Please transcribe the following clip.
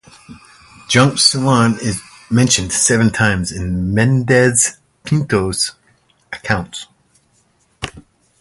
Junk Ceylon is mentioned seven times in Mendes Pinto's accounts.